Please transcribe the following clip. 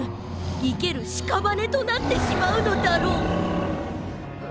いけるしかばねとなってしまうのだろう」。